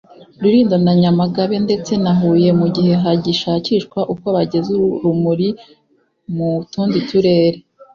Rulindo na Nyamagabe ndetse na Huye mu gihe hagishakishwa uko bageza uru rumuri no mu tundi turere